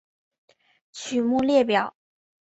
曲目列表